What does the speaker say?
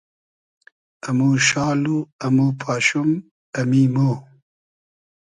امو شال و امو پاشوم ، امی مۉ